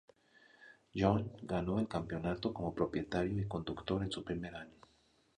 John ganó el campeonato como propietario y conductor en su primer año.